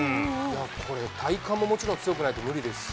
これ、体幹ももちろん強くないと無理ですし。